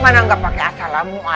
nah ini dia haji sulamnya